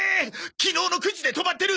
昨日の９時で止まってる！